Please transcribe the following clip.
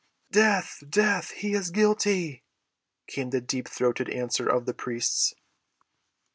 "Death—death! He is guilty!" came the deep‐throated answer of the priests.